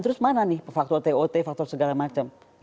terus mana nih faktor tot faktor segala macam